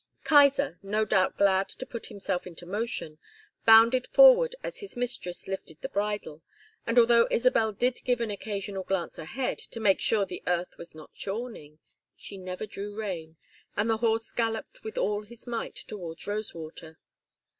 Kaiser, no doubt glad to put himself into motion, bounded forward as his mistress lifted the bridle, and although Isabel did give an occasional glance ahead, to make sure the earth was not yawning, she never drew rein, and the horse galloped with all his might towards Rosewater.